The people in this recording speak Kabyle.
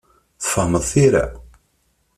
Tfehmeḍ tira?